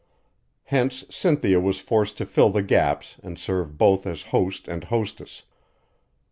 Hence Cynthia was forced to fill the gaps and serve both as host and hostess.